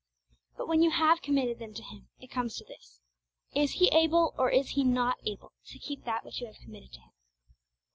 But when you have committed them to Him, it comes to this, is He able or is He not able to keep that which you have committed to Him?